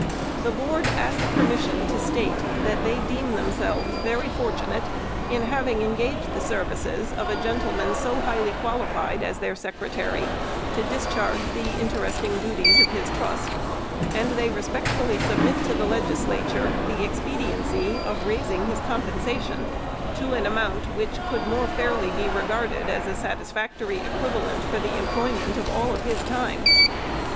The Board ask permission to state, that they deem themselves very fortunate in having engaged the services of a gentleman so highly qualified as their Secretary, to discharge the in teresting duties of his trust ; and they respectfully sub mit to the Legislature, the expediency of raising his compensation to an amount, which could more fairly be regarded as a satisfactory equivalent for the employment of all his time.